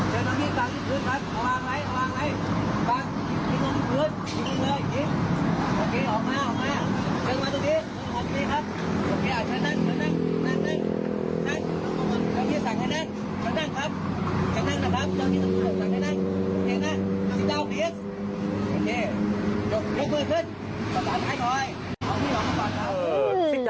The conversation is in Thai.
ยกมือขึ้น